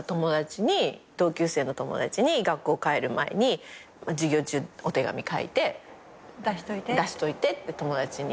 同級生の友達に学校帰る前に授業中お手紙書いて出しといてって友達に。